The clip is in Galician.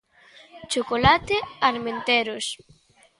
Chocolate Armenteros.